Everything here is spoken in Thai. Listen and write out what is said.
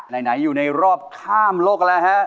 ไหนอยู่ในรอบข้ามโลกกันแล้วฮะ